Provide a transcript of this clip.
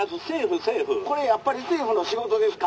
「これやっぱり政府の仕事ですか？」。